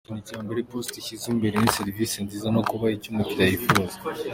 Ikintu cya mbere Iposita ishyize imbere ni serivisi nziza no kubaha icyo umukiriya yifuza.